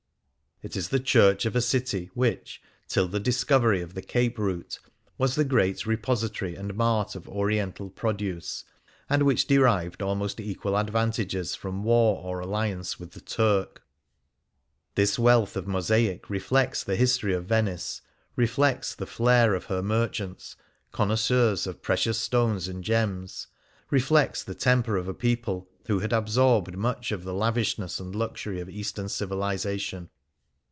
It is the church of a city which, till the dis covery of the Cape route, was the great reposi tory and mart of Oriental produce, and which derived almost equal advantages from war or alliance with the Turk. This wealth of mosaic reflects the history of Venice, reflects the "flair" of her merchants, connoisseurs of precious stones and gems — reflects the temper of a people who had absorbed much of the lavishness and luxury of Eastern civilization.